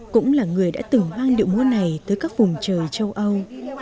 cũng là người đã tưởng hoang điệu múa này tới các vùng trời châu âu